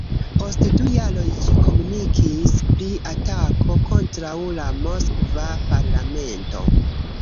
Post du jaroj ĝi komunikis pri atako kontraŭ la moskva parlamento.